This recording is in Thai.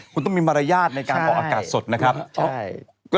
คุณต้องมีมารยาทในการออกอากาศสดนะครับอ๋อเวลาจะคุยจะเล่นหรืออะไรอย่างนี้ต้องหยุดก่อนนะครับ